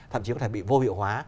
thậm chí có thể bị vô hiệu hóa